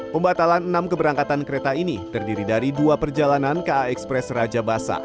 pembatalan enam keberangkatan kereta ini terdiri dari dua perjalanan ka ekspres raja basa